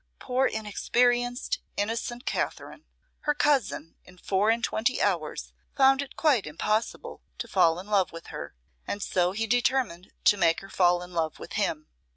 Poor inexperienced, innocent Katherine! Her cousin in four and twenty hours found it quite impossible to fall in love with her; and so he determined to make her fall in love with him.